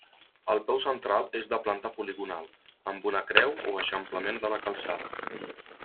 El peu central és de planta poligonal, amb una creu o eixamplament de la calçada.